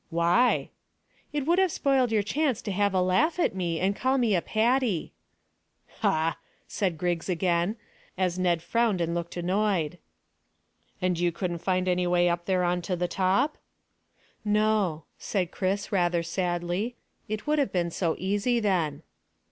"Why?" "It would have spoiled your chance to have a laugh at me and call me a Paddy." "Hah!" said Griggs again, as Ned frowned and looked annoyed. "And you couldn't find any way up there on to the top?" "No," said Chris rather sadly. "It would have been so easy then."